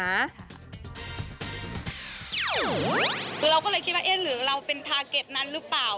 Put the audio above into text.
คือเราก็เลยคิดว่าเอ๊ะหรือเราเป็นทาเก็ตนั้นหรือเปล่า